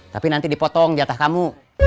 tapi nanti dipotong di atas kamu